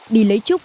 đi lấy trúc